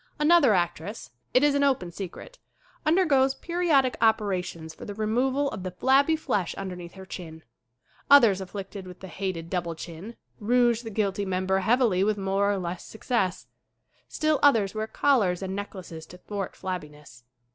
Another actress, it is an open secret, under goes periodic operations for the removal of the flabby flesh underneath her chin. Others af flicted with the hated "double chin" rouge the guilty member heavily with more or less suc cess. Still others wear collars and necklaces to thwart flabbiness.